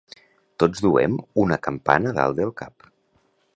Tots duem una campana dalt del cap.